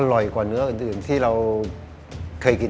อร่อยกว่าเนื้ออื่นที่เราเคยกิน